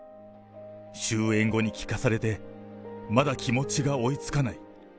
終演後に聞かされて、まだ気持ちが追いつかない。